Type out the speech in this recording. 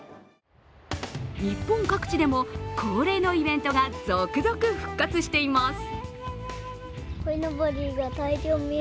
日本各地でも、恒例のイベントが続々復活しています。